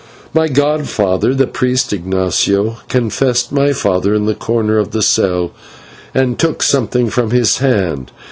My godfather, the priest Ignatio, confessed my father in a corner of the cell, and took something from his hand.